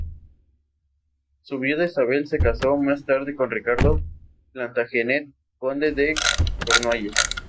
Su viuda Isabel se casó más tarde con Ricardo Plantagenet, conde de Cornualles.